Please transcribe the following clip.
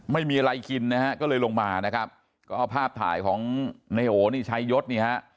ไม่มีอะไรกินนะฮะก็เลยลงมานะครับก็เอาภาพถ่ายของในโอนี่ชัยยศนี่ฮะ